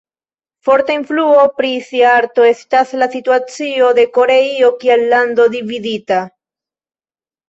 Forta influo pri sia arto estas la situacio de Koreio kiel lando dividita.